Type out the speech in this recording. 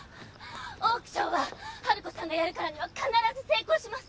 オークションはハルコさんがやるからには必ず成功します！